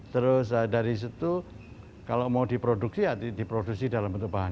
terus dari situ kalau mau diproduksi ya diproduksi dalam bentuk bahan